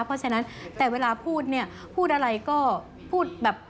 เพราะฉะนั้นแต่เวลาพูดเนี่ยพูดอะไรก็พูดแบบ